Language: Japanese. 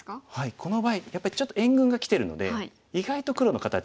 この場合やっぱりちょっと援軍がきてるので意外と黒の形ダメがツマってます。